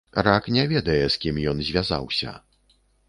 Рак не ведае, з кім ён звязаўся.